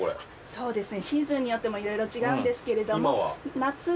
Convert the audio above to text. そうですね。